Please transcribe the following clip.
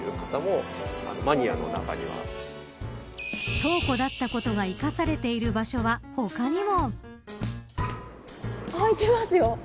倉庫だったことが生かされている場所は他にも。